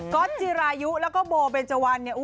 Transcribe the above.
ก๊อตจีรายุแล้วก็โบเบนเจาัน